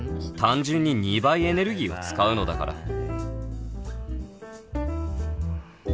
単純に２倍エネルギーを使うのだから